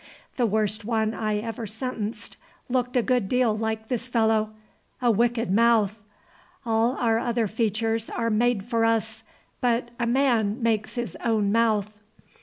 The worst one I ever sentenced looked a good deal like this fellow. A wicked mouth. All our other features are made for us; but a man makes his own mouth."